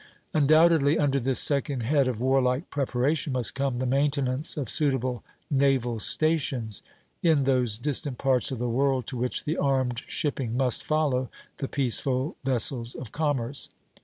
Undoubtedly under this second head of warlike preparation must come the maintenance of suitable naval stations, in those distant parts of the world to which the armed shipping must follow the peaceful vessels of commerce.